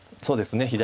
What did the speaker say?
そうですね。